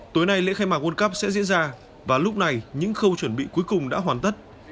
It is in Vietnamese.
tối nay lễ khai mạc world cup sẽ diễn ra và lúc này những khâu chuẩn bị cuối cùng đã hoàn tất